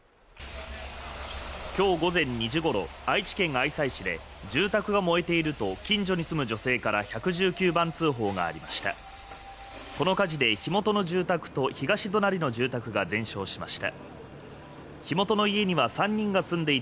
きょう午前２時ごろ愛知県愛西市で住宅が燃えていると近所に住む女性から１１９番通報がありました